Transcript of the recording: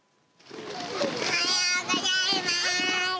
おはようございます。